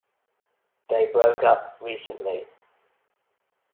They broke up recently.